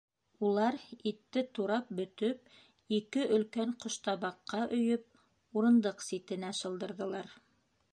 Улар итте турап бөтөп, ике өлкән ҡоштабаҡҡа өйөп, урындыҡ ситенә шылдырҙылар.